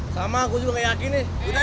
sama aku juga gak yakin nih